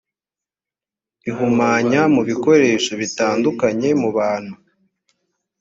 ihumanya mu bikoresho bitandukanye mu bantu